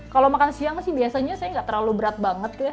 kalau makan siang sih biasanya saya nggak terlalu berat banget ya